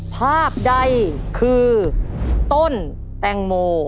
ภาพใดคือต้นแตงโม